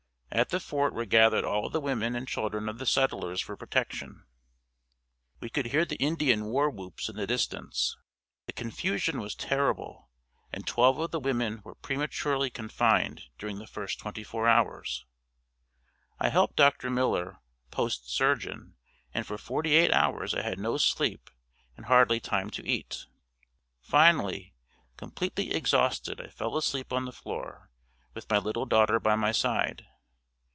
At the fort were gathered all the women and children of the settlers for protection. We could hear the Indian war whoops in the distance. The confusion was terrible and twelve of the women were prematurely confined during the first twenty four hours. I helped Dr. Miller, post surgeon, and for forty eight hours I had no sleep and hardly time to eat. Finally, completely exhausted I fell asleep on the floor, with my little daughter by my side.